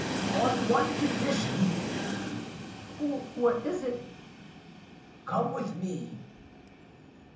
"On one condition." "What is it?" "Come with me."